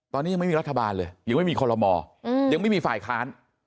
ตอนนี้ยังไม่มีรัฐบาลเลยยังไม่มีคอลโลมอยังไม่มีฝ่ายค้าน